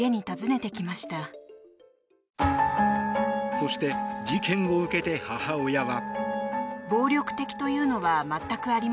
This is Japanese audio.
そして事件を受けて母親は。